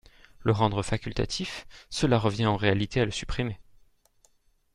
Le rendre facultatif, cela revient en réalité à le supprimer.